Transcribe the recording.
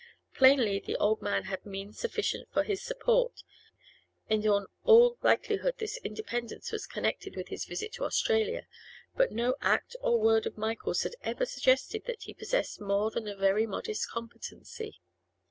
Plainly the old man had means sufficient for his support, and in all likelihood this independence was connected with his visit to Australia; but no act or word of Michael's had ever suggested that he possessed more than a very modest competency.